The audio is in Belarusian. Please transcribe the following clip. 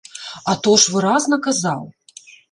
А то ж выразна казаў!